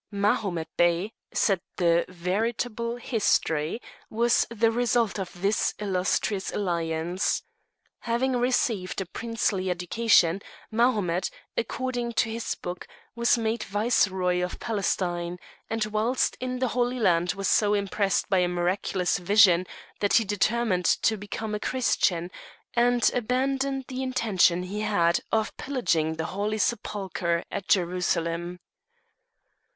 Mahomet Bey, said the veritable history, was the result of this illustrious alliance. Having received a princely education, Mahomet, according to his book, was made Viceroy of Palestine; and whilst in the Holy Land was so impressed by a miraculous vision that he determined to become a Christian, and abandoned the intention he had of pillaging the Holy Sepulchre at Jerusalem.